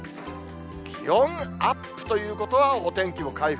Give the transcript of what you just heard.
気温アップということは、お天気も回復。